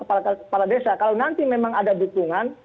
bapak bapak kepala desa kalau nanti memang ada dukungan